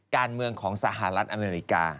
การเมืองของสหรัฐอเมริกา